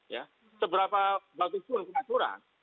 ya seberapa bagus pun pengaturan